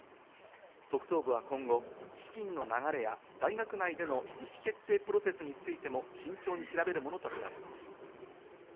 特捜部は今後、資金の流れや大学内での意思決定プロセスについても慎重に調べるものとみています。